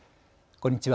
こんにちは。